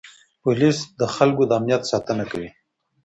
پولیس د خلکو د امنیت ساتنه کوي.